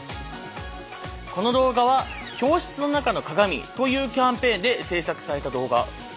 この動画は「教室の中の鏡」というキャンペーンで制作された動画。